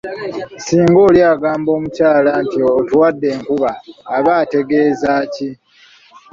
Singa oli agamba omukyala nti ‘otuwadde enkumba’ aba ategeeza ki?